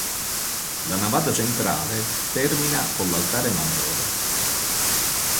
La navata centrale termina con l'altare maggiore.